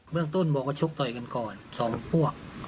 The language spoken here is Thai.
เรื่องต้นบอกว่าชกต่อยกันก่อน๒พวก